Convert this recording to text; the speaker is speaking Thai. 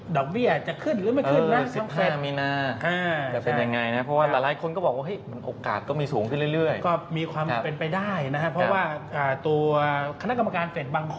ดอกเบี้ยจะขึ้นหรือไม่ขึ้น